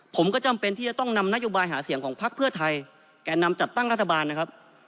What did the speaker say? ผมก็จำเป็นที่จะต้องนำนโยบายหาเสียงของพักเพื่อไทยแก่นำจัดตั้งรัฐบาลนะครับ